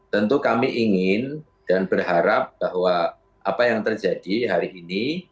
tentu kami ingin dan berharap bahwa apa yang terjadi hari ini